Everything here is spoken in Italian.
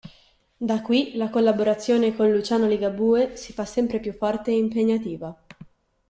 Da qui la collaborazione con Luciano Ligabue si fa sempre più forte e impegnativa.